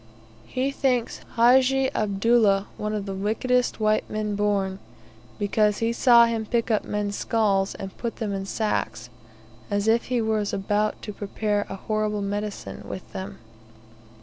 He thinks Hajji Abdullah one of the wickedest white men born, because he saw him pick up men's skulls and put them in sacks, as if he was about to prepare a horrible medicine with them.